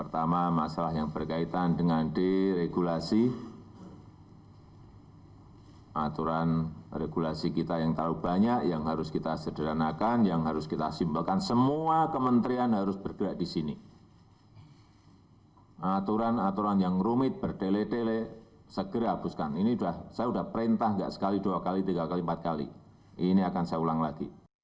tidak sekali dua kali tiga kali empat kali ini akan saya ulang lagi